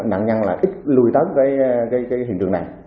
nạn nhân là ít lui tới cái hiện trường này